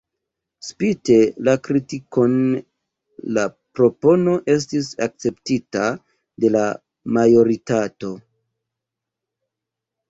Spite la kritikon, la propono estis akceptita de la majoritato.